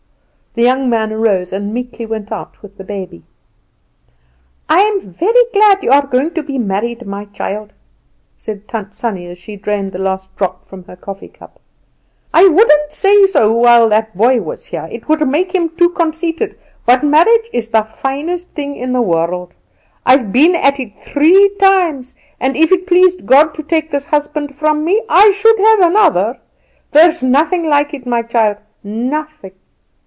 The young man arose, and meekly went out with the baby. "I'm very glad you are going to be married, my child," said Tant Sannie, as she drained the last drop from her coffee cup. "I wouldn't say so while that boy was here, it would make him too conceited; but marriage is the finest thing in the world. I've been at it three times, and if it pleased God to take this husband from me I should have another. There's nothing like it, my child; nothing."